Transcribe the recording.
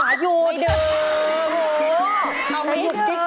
เราจะหยุดกิ๊กไม่ได้